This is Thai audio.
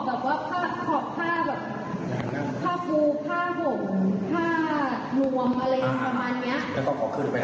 แล้วก็ต้องไม่รู้จักทางเพราะต้องถึงส่วนภูเขต